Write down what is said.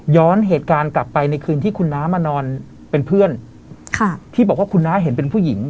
เหตุการณ์กลับไปในคืนที่คุณน้ามานอนเป็นเพื่อนค่ะที่บอกว่าคุณน้าเห็นเป็นผู้หญิง